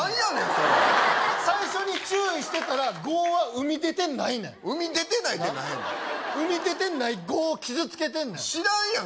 それ最初に注意してたら５は生み出てないねん「生み出てない」って何やねん生み出てない５を傷つけてんねん知らんやん